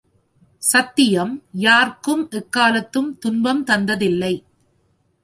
சத்தியம் யார்க்கும் எக்காலத்தும் துன்பம் தந்ததில்லை.